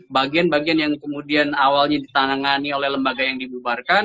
bagian bagian yang kemudian awalnya ditangani oleh lembaga yang dibubarkan